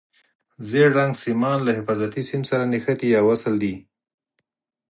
ژېړ رنګ سیمان له حفاظتي سیم سره نښتي یا وصل دي.